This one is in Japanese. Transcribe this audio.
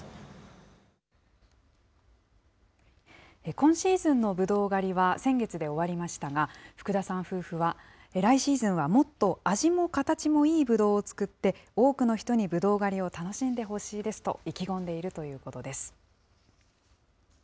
今シーズンのぶどう狩りは先月で終わりましたが、福田さん夫婦は、来シーズンはもっと味も形もいいぶどうを作って、多くの人にぶどう狩りを楽しんでほしいですと、意気込んでいるということです。